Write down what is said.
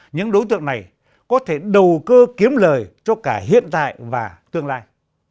những đối tượng này có thể đầu cơ kiếm lời cho cả hiện tại và tương lai